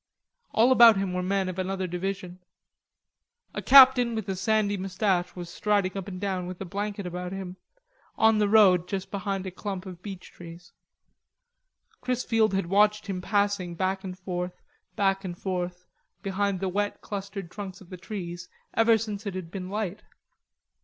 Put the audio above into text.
All about him were men of another division. A captain with a sandy mustache was striding up and down with a blanket about him, on the road just behind a clump of beech trees. Chrisfield had watched him passing back and forth, back and forth, behind the wet clustered trunks of the trees, ever since it had been light.